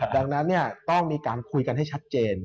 ดังนั้นต้องมีการคุยกันให้ชัดเจน